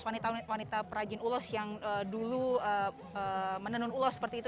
wanita wanita peragin ulas yang dulu menenun ulas seperti itu